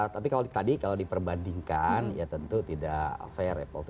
tapi kalau tadi kalau diperbandingkan ya tentu tidak fair